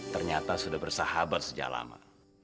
ternyata sudah bersahabat sejak lama